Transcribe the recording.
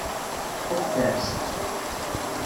Ad k-tɛass.